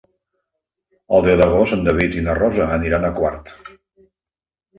El deu d'agost en David i na Rosó aniran a Quart.